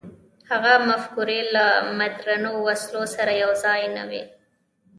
هغه مفکورې له مډرنو وسلو سره یو ځای نه وې.